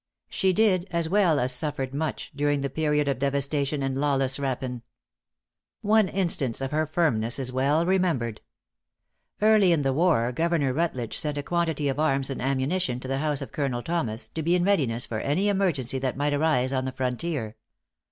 She did, as well as suffered much, during the period of devastation and lawless rapine. One instance of her firmness is well remembered. Early in the war Governor Rutledge sent a quantity of arms and ammunition to the house of Colonel Thomas, to be in readiness for any emergency that might arise on the frontier.